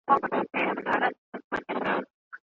ټولنیز محصول د پانګوني یو تابع دی.